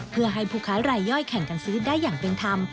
เพื่อให้ผู้ค้ารายย่อยแข่งกันซื้อได้อย่างเป็นธรรม